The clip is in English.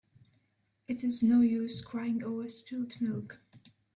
It is no use crying over spilt milk.